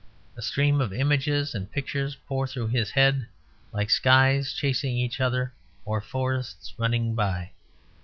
A stream of images and pictures pour through his head, like skies chasing each other or forests running by.